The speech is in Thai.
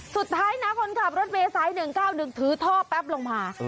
สุดท้ายนะคนขับรถเมย์สาย๑๙๑ถือท่อแป๊บลงมา